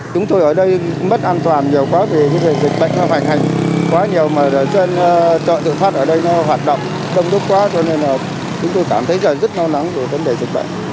chúng tôi ở đây mất an toàn nhiều quá vì dịch bệnh hoàn hành quá nhiều mà chợ tự phát ở đây hoạt động đông đúc quá cho nên là chúng tôi cảm thấy rất lo lắng về vấn đề dịch bệnh